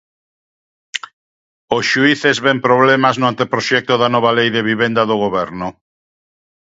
Os xuíces ven problemas no anteproxecto da nova lei de vivenda do Goberno.